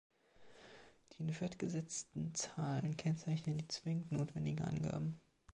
Die in fett gesetzten Zahlen kennzeichnen die zwingend notwendigen Angaben.